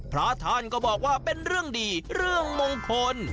พระท่านก็บอกว่าเป็นเรื่องดีเรื่องมงคล